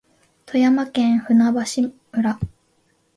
富山県舟橋村